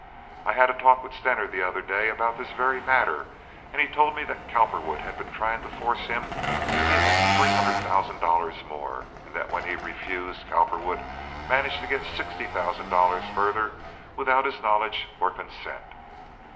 "I had a talk with Stener the other day about this very matter, and he told me that Cowperwood had been trying to force him to give him three hundred thousand dollars more, and that when he refused Cowperwood managed to get sixty thousand dollars further without his knowledge or consent."